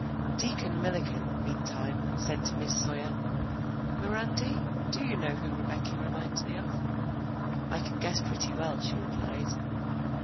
Deacon Milliken, meantime, said to Miss Sawyer, "Mirandy, do you know who Rebecky reminds me of?" "I can guess pretty well," she replied.